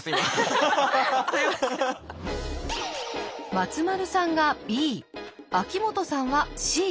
松丸さんがＢ秋元さんはＣ。